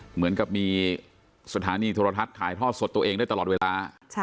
เหมือนกับมีสถานีโทรทัศน์ถ่ายทอดสดตัวเองได้ตลอดเวลา